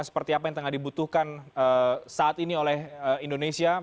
seperti apa yang tengah dibutuhkan saat ini oleh indonesia